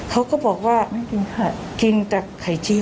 เขาก็บอกว่าไม่กินค่ะกินจากไข่จีน